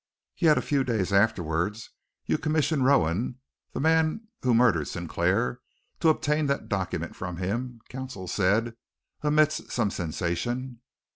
"Yet a few days afterwards you commissioned Rowan the man who murdered Sinclair to obtain that document from him," counsel said, amidst some sensation.